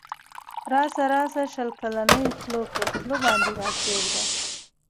راسه راسه شل کلنی خوله پر خوله باندی را کښېږده